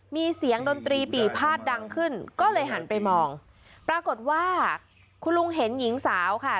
มีเสียงดนตรีปี่พาดดังขึ้นก็เลยหันไปมองปรากฏว่าคุณลุงเห็นหญิงสาวค่ะ